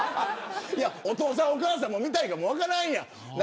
お父さん、お母さんが見たいかも分からへんやん。